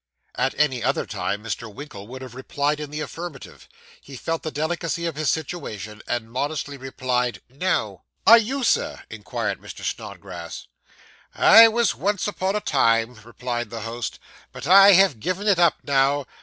At any other time, Mr. Winkle would have replied in the affirmative. He felt the delicacy of his situation, and modestly replied, 'No.' 'Are you, sir?' inquired Mr. Snodgrass. 'I was once upon a time,' replied the host; 'but I have given it up now.